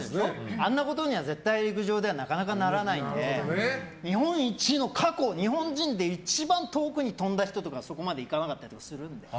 あんなことには陸上ではなかなかならないんで日本一の過去日本人で一番遠くに跳んだ人とかでもそこまでいかなかったりするので。